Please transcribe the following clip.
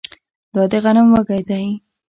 دا د غنم وږی دی